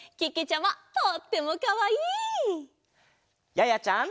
ややちゃん。